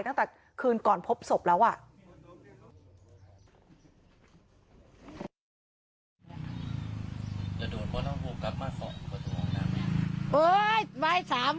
ตั้งแต่คืนก่อนพบศพแล้วอ่ะ